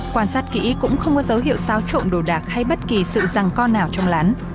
quan sát kỹ cũng không có dấu hiệu xáo trộn đồ đạc hay bất kỳ sự răng co nào trong lán